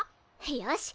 よし！